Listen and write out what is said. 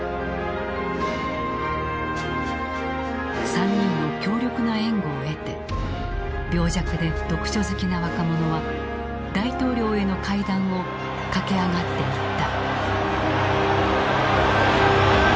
３人の強力な援護を得て病弱で読書好きな若者は大統領への階段を駆け上がっていった。